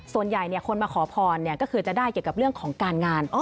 ส่วนใหญ่คนมาขอพรก็คือจะได้เกี่ยวกับเรื่องของการงาน